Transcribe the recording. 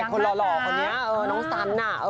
คนหล่อเขาเนี่ยน้องสันนะ